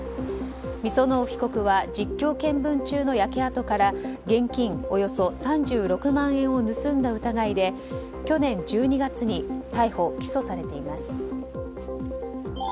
御園生被告は実況見分中の焼け跡から現金およそ３６万円を盗んだ疑いで去年１２月に逮捕・起訴されています。